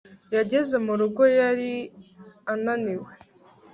yageze mu rugo yari ananiwe